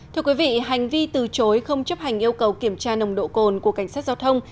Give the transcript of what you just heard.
thưa quý vị hành vi từ chối không chấp hành yêu cầu kiểm tra nồng độ cồn của cảnh sát giao thông